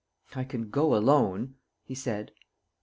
"I can go alone," he said.